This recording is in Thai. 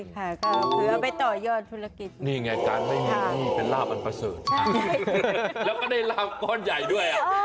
แล้วเราก็ได้ลาบก้อนใหญ่ด้วย